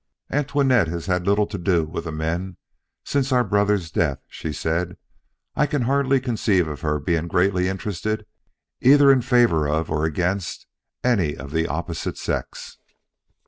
"Antoinette has had little to do with the men since our brother's death," she said. "I can hardly conceive of her being greatly interested either in favor of or against any of the opposite sex."